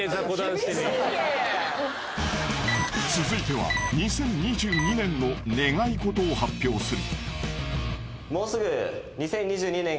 ［続いては２０２２年の願い事を発表する］